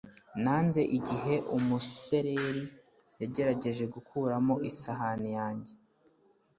Nanze igihe umusereri yagerageje gukuramo isahani yanjye